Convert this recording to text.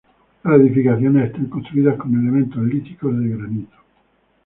Las edificaciones están construidas con elementos líticos de granito.